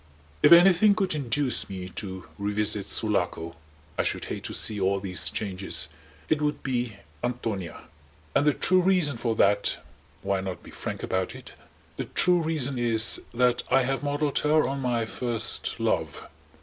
If anything could induce me to revisit Sulaco (I should hate to see all these changes) it would be Antonia. And the true reason for that why not be frank about it? the true reason is that I have modelled her on my first love.